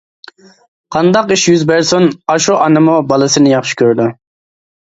قانداق ئىش يۈز بەرسۇن، ئاشۇ ئانىمۇ بالىسىنى ياخشى كۆرىدۇ.